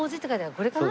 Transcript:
これかな？